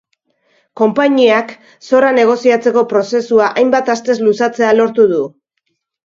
Konpainiak zorra negoziatzeko prozesua hainbat astez luzatzea lortu du.